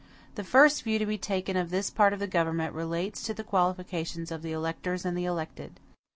The first view to be taken of this part of the government relates to the qualifications of the electors and the elected.